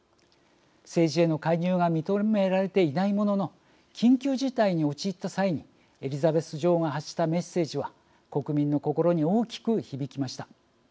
政治への介入が認められていないものの緊急事態に陥った際にエリザベス女王が発したメッセージは国民の心に大きく響きました。